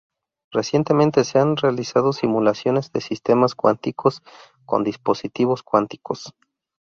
Recientemente se han realizado simulaciones de sistemas cuánticos con dispositivos cuánticos.